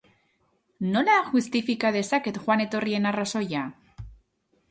Nola justifika dezaket joan-etorrien arrazoia?